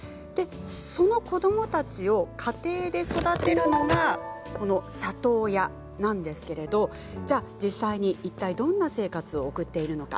その子どもたちを家庭で育てるのが里親なんですけれど実際にどんな生活を送っているのか。